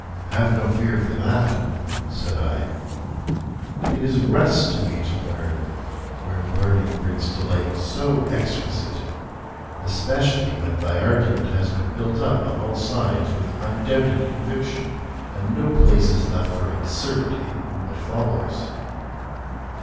'Have no fear for that,' said I. 'It is rest to me to learn, where learning brings delight so exquisite, especially when thy argument has been built up on all sides with undoubted conviction, and no place is left for uncertainty in what follows.'